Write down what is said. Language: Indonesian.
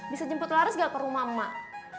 bisa jemput laris gak ke rumah emak